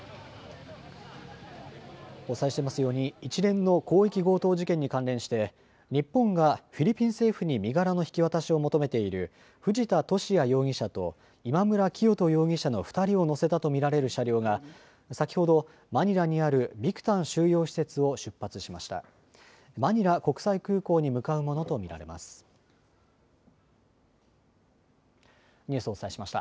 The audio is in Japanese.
お伝えしていますように、一連の広域強盗事件に関連して、日本がフィリピン政府に身柄の引き渡しを求めている、藤田聖也容疑者と今村磨人容疑者の２人を乗せたと見られる車両が、先ほど、マニラにあるビクタン収容施設を出発しました。